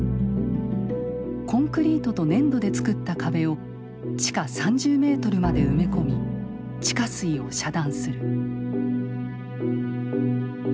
コンクリートと粘土で作った壁を地下３０メートルまで埋め込み地下水を遮断する。